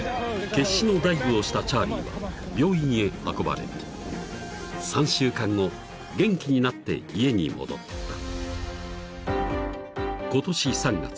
［決死のダイブをしたチャーリーは病院へ運ばれ３週間後元気になって家に戻った］